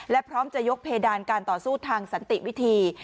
และพร้อมจะยกเพดานการต่อสู้ทางสันติวิธี